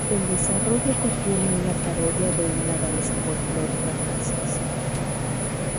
El desarrollo contiene una parodia de una danza folclórica francesa.